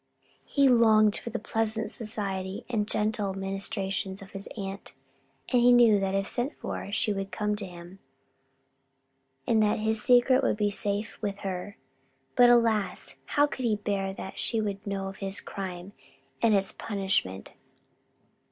He longed for the pleasant society and gentle ministrations of his aunt, and he knew that if sent for she would come to him, and that his secret would be safe with her; but alas, how could he bear that she should know of his crime and its punishment?